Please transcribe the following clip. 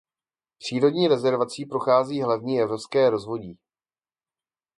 Přírodní rezervací prochází hlavní evropské rozvodí.